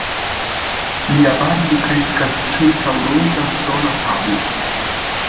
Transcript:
Lia barbo kreskas ĉirkaŭ ronda ŝtona tablo.